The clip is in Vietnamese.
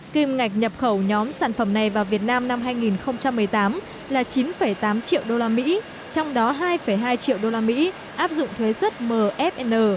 kim ngạch nhập khẩu nhóm sản phẩm này vào việt nam năm hai nghìn một mươi tám là chín tám triệu usd trong đó hai hai triệu usd áp dụng thuế xuất mfn